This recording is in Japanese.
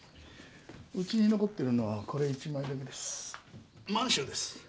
うちに残ってるのはこれ一枚だけです。